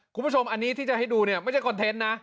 คุณผู้ชมอันนี้ที่จะให้ดูเนี่ยไม่ใช่คอนเทนต์นะ